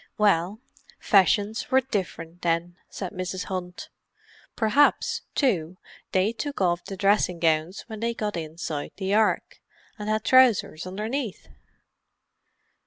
"Well, fashions were different then," said Mrs. Hunt. "Perhaps, too, they took off the dressing gowns when they got inside the Ark, and had trousers underneath."